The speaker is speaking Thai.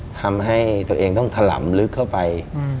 ทำให้ตัวเองต้องถล่ำลึกเข้าไป